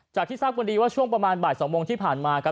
ที่ทราบวันนี้ว่าช่วงประมาณบ่าย๒โมงที่ผ่านมาครับ